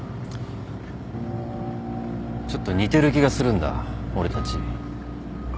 ちょっと似てる気がするんだ俺たち。